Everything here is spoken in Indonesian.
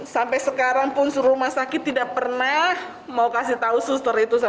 sampai sekarang pun rumah sakit tidak pernah mau kasih tahu suster itu saja